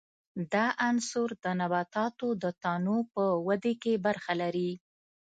دا عنصر د نباتاتو د تنو په ودې کې برخه لري.